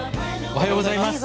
おはようございます。